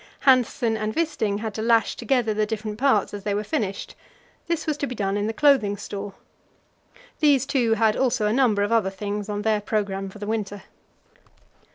Hanssen and Wisting had to lash together the different parts as they were finished; this was to be done in the Clothing Store. These two had also a number of other things on their programme for the winter.